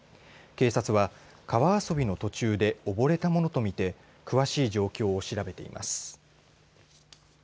警察は、川遊びの途中で溺れたものと見て詳しい状況を調べています。